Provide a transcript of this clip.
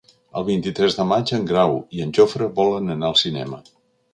El vint-i-tres de maig en Grau i en Jofre volen anar al cinema.